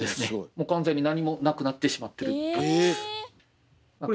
もう完全に何もなくなってしまってる感じです。